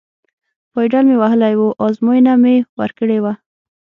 پایډل مې وهلی و، ازموینه مې ورکړې وه.